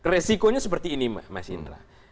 resikonya seperti ini mas indra